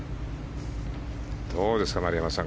どうですか、丸山さん